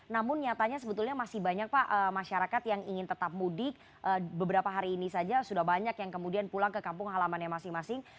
namun nyatanya sebetulnya masih banyak pak masyarakat yang ingin tetap mudik beberapa hari ini saja sudah banyak yang kemudian pulang ke kampung halamannya masing masing